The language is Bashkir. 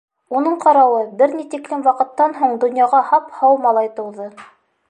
Уның ҡарауы, бер ни тиклем ваҡыттан һуң донъяға һап-һау малай тыуҙы.